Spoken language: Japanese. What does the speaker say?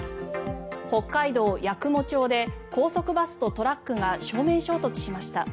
北海道八雲町で高速バスとトラックが正面衝突しました。